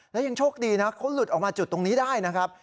และยังโชคดีนะเขาหลุดออกมาจุดตรงนี้ได้นะครับ